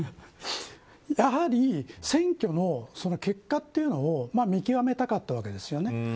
やはり選挙の結果というのを見極めたかったわけですよね。